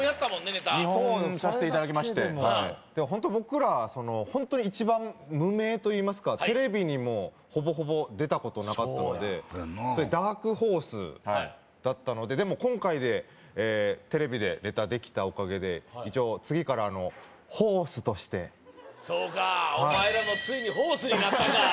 ネタ２本させていただきましてホント僕らホントの一番無名といいますかテレビにもほぼほぼ出たことなかったのでダークホースだったのででも今回でテレビでネタできたおかげで一応次からホースとしてそうかお前らもついにホースになったか！